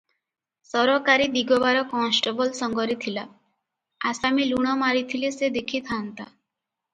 ସରକାରୀ ଦିଗବାର କନଷ୍ଟବଳ ସଙ୍ଗରେ ଥିଲା, ଆସାମୀ ଲୁଣ ମାରିଥିଲେ ସେ ଦେଖି ଥାଆନ୍ତା ।